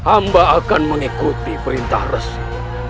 amboing akan mengikuti perintah resi